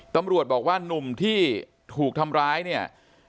ตำรวจบอกว่านุ่มที่ถูกทำร้ายเนี่ย